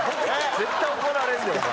絶対怒られるでお前。